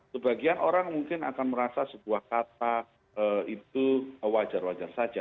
sebagian orang mungkin akan merasa sebuah kata itu wajar wajar saja